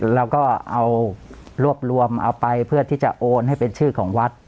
แล้วก็เอารวบรวมเอาไปเพื่อที่จะโอนให้เป็นชื่อของวัด